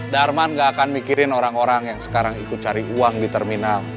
darman gak akan mikirin orang orang yang sekarang ikut cari uang di terminal